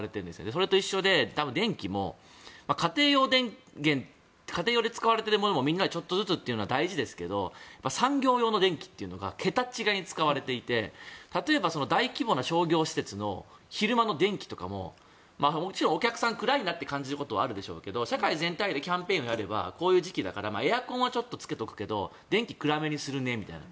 それと一緒で電気も家庭用で使われているものもみんなでちょっとずつというのは大事ですけど産業用の電気というのが桁違いに使われていて例えば、大規模な商業施設の昼間の電気とかももちろんお客さん暗いなと感じることもあるでしょうけど社会全体でキャンペーンをやればこういう時期だからエアコンはつけておくけど電気を暗めにするねみたいな。